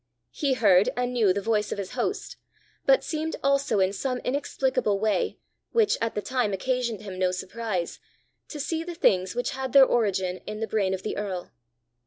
He heard and knew the voice of his host, but seemed also in some inexplicable way, which at the time occasioned him no surprise, to see the things which had their origin in the brain of the earl.